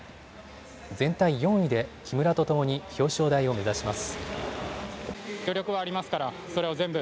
全体４位で木村とともに表彰台を目指します。